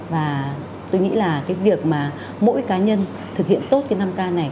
và tôi nghĩ là cái việc mà mỗi cá nhân thực hiện tốt cái năm k này